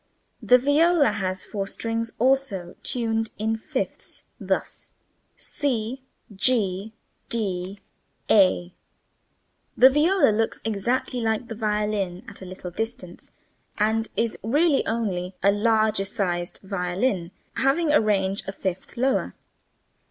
The viola has four strings, also tuned in fifths, thus [Illustration: c g d' a']. The viola looks exactly like the violin at a little distance, and is really only a larger sized violin, having a range a fifth lower.